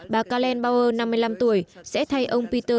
bà karlenbauer năm mươi năm tuổi sẽ thay ông peter